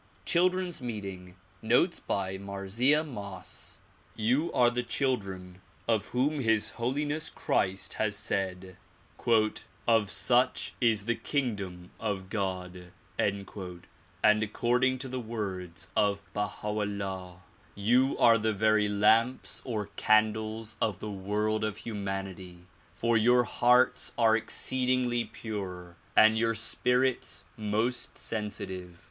Ch ildre n 's Meeting. Notes by Marzieh Moss YOU are the children of wiiom His Holiness Christ has said "Of such is the kingdom of God;" and according to the words of Baha 'Ullah you are the very lamps or candles of the world of humanity for your hearts are exceedingly pure and your spirits most sensitive.